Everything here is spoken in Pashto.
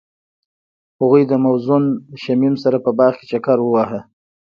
هغوی د موزون شمیم سره په باغ کې چکر وواهه.